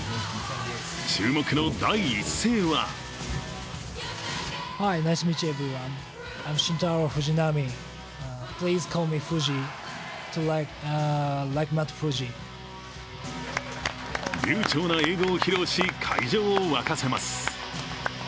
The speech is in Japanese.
注目の第一声は流ちょうな英語を披露し会場を沸かせます。